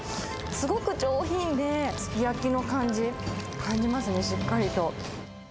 すごく上品で、すき焼きの感じ、感じますね、しっかりと。